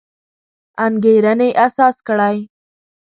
انګېرنې اساس کړی.